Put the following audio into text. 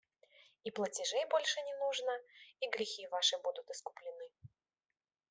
И платежей больше не нужно, и грехи ваши будут искуплены.